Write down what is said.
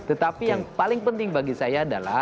tetapi yang paling penting bagi saya adalah